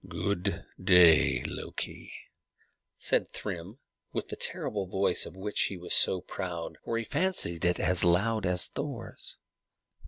"Good day, Loki," said Thrym, with the terrible voice of which he was so proud, for he fancied it was as loud as Thor's.